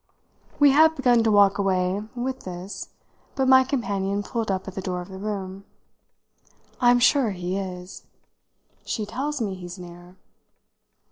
We had begun to walk away with this, but my companion pulled up at the door of the room. "I'm sure he is. She tells me he's near."